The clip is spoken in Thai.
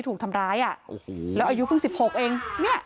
ถูกทำร้ายอ่ะโอ้โหแล้วอายุเพิ่ง๑๖เองเนี่ย